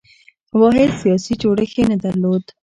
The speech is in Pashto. واحد سیاسي جوړښت یې نه درلود.